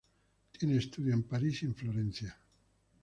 Tiene estudio en París y en Florencia.